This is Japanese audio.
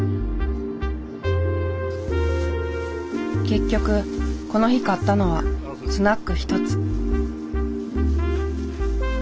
結局この日買ったのはスナック１つ。